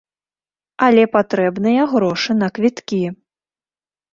Але патрэбныя грошы на квіткі.